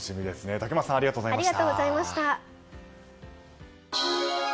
竹俣さんありがとうございました。